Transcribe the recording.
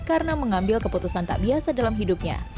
karena mengambil keputusan tak biasa dalam hidupnya